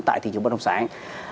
tại thị trường bất động sản